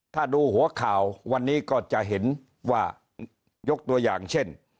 ถ้าดูหัวข่าววันนี้ก็จะเห็นว่ายกตัวอย่างเช่น